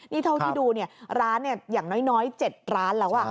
นี่เท่าที่ดูร้านอย่างน้อย๗ร้านแล้ว